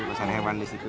pasar hewan di situ